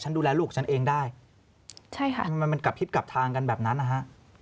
ดูแลลูกฉันเองได้ใช่ค่ะทำไมมันกลับทิศกลับทางกันแบบนั้นนะฮะ